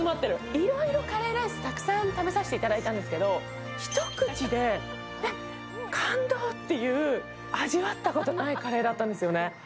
いろいろカレーライスたくさん食べさせていただいたんですけれども、ひと口で、えっ感動っていう、味わったことのないカレーだったんですよね。